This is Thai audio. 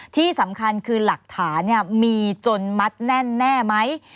ที่สำคัญคือหลักฐานมีจนมัดแน่นแน่ไหม